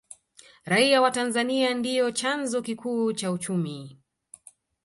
raia wa tanzania ndiyo chanzo kikuu cha uchumi